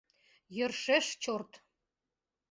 Йӧршеш чорт!